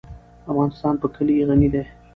افغانستان په کلي غني دی.